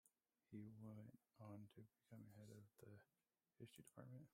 He went on to become head of the History department.